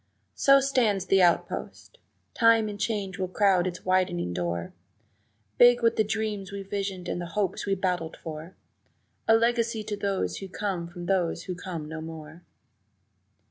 So stands the outpost! Time and change will crowd its widening door, Big with the dreams we visioned and the hopes we battled for A legacy to those who come from those who come no more.